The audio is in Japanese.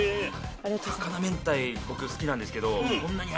高菜明太僕好きなんですけど。